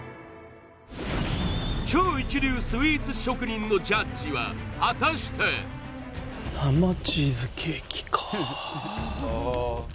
超一流スイーツ職人のジャッジは果たしてごめんなさい